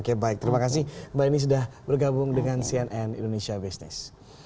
oke baik terima kasih mbak eni sudah bergabung dengan cnn indonesia business